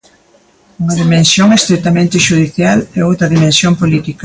Unha dimensión estritamente xudicial e outra dimensión política.